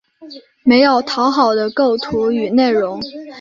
没有讨好的构图与内容